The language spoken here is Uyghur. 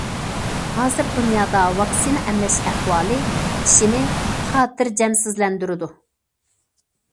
ھازىر دۇنيادا ۋاكسىنا ئەملەش ئەھۋالى كىشىنى خاتىرجەمسىزلەندۈرىدۇ.